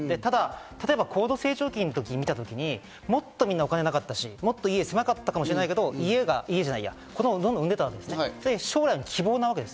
例えば高度成長期を見たときにもっとみんな、お金がなかったし、もっと言えば狭かったかもしれないけど、子供はどんどん産んでいた、将来の希望なわけです。